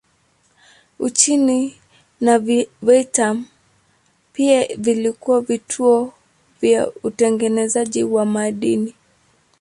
Uchina na Vietnam pia vilikuwa vituo vya utengenezaji wa madini.